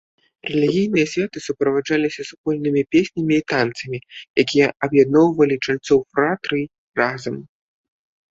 Рэлігійныя святы суправаджаліся супольнымі песнямі і танцамі, якія аб'ядноўвалі чальцоў фратрый разам.